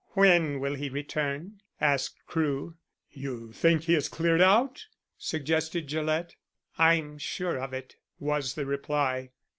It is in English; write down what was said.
"When will he return?" asked Crewe. "You think he has cleared out?" suggested Gillett. "I'm sure of it," was the reply.